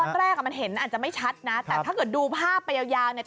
ตอนแรกอ่ะมันเห็นอาจจะไม่ชัดนะแต่ถ้าเกิดดูภาพไปยาวยาวเนี่ย